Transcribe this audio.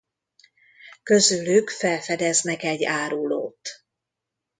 Közülük felfedeznek egy árulót.